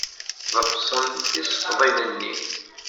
Ḍefsen tisefḍin-nni.